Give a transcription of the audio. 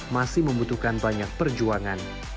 masih membutuhkan banyak perjuangan